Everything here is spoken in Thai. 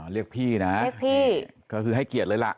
เรียกพี่นะเรียกพี่ก็คือให้เกียรติเลยล่ะ